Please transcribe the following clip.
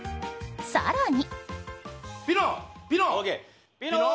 更に。